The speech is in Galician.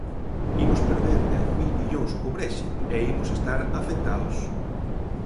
Imos perder dez mil millóns co Brexit e imos estar afectados.